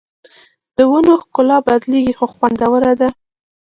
د ونو ښکلا بدلېږي خو خوندوره ده